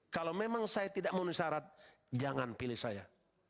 kalau memang saya tidak memenuhi syarat jangan pilih saya